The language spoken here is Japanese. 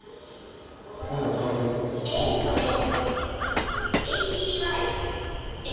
えーっとね。